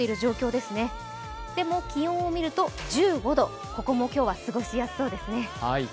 でも、気温を見ると１５度、ここも今日は過ごしやすそうですね。